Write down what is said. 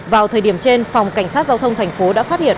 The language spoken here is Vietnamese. vào thời điểm trên phòng cảnh sát giao thông tp đã phát hiện